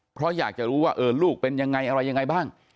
เพราะอยากจะรู้ว่าลูกเป็นยังไงอะไรยังไงบ้าง